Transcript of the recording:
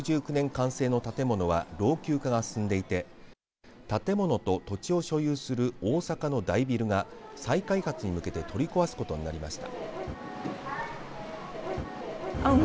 完成の建物は老朽化が進んでいて建物と土地を所有する大阪のダイビルが再開発に向けて取り壊すことになりました。